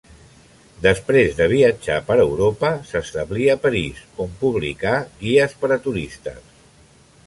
Després de viatjar per Europa s'establí a París, on publicà guies per a turistes.